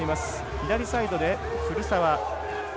左サイドで古澤。